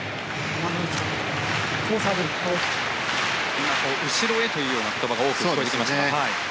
今、後ろへという言葉が多く聞こえてきました。